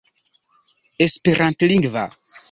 esperantlingva